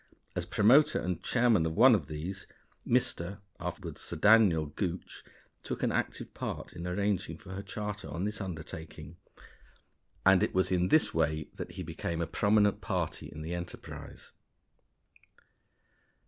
As promoter and chairman of one of these, Mr. (afterward Sir Daniel) Gooch took an active part in arranging for her charter on this undertaking, and it was in this way that he became a prominent party in the enterprise.